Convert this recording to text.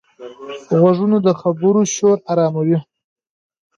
غوږونه د خبرو شور آراموي